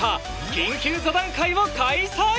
緊急座談会を開催！